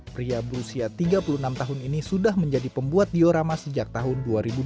pria berusia tiga puluh enam tahun ini sudah menjadi pembuat diorama sejak tahun dua ribu dua belas